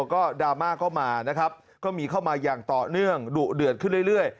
ก็ดราม่าก็มานะครับก็มีเข้ามาอย่างต่อเนื่องดุเดือดขึ้นเรื่อย